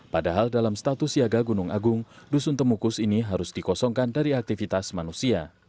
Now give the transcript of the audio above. padahal dalam status siaga gunung agung dusun temukus ini harus dikosongkan dari aktivitas manusia